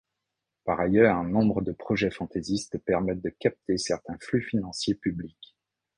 Par ailleurs, nombre de projets fantaisistes permettent de capter certains flux financiers publics.